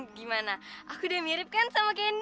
gimana aku udah mirip kan sama kendi